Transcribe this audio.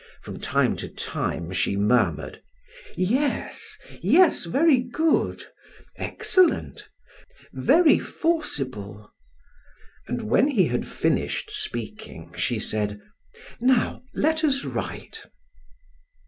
From time to time she murmured: "Yes, yes; very good excellent very forcible " And when he had finished speaking, she said: "Now let us write."